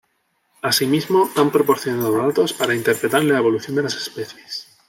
Asimismo han proporcionado datos para interpretar la evolución de las especies.